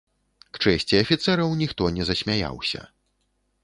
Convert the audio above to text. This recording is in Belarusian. К чэсці афіцэраў, ніхто не засмяяўся.